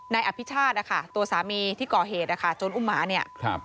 ในอภิชาติค่ะตัวสามีที่ก่อเหตุค่ะจนอุ้มหมาเนี่ย